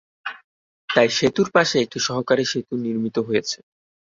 তাই সেতুর পাশেই একটি সহকারী সেতু নির্মিত হয়েছে।